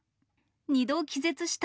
２度気絶した。